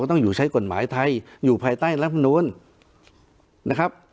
ต้องใช้กฎหมายไทยอยู่ภายใต้และพรุ่นนะครับ